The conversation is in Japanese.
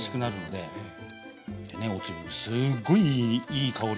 でねおつゆもすっごいいい香りね。